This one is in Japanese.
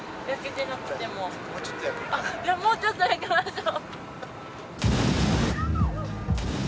もうちょっと焼きましょう。